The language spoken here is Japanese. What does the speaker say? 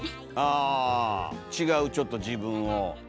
あ違うちょっと自分を。